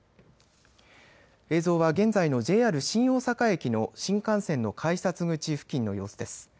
映像は現在のＪＲ新大阪駅の新幹線の改札口付近の様子です。